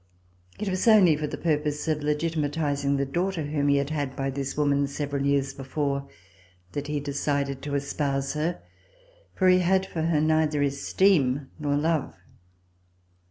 It was only for the purpose of legitimatizing the daughter whom he had had by this woman several years before, that he decided to espouse her, for he had for her neither esteem nor love.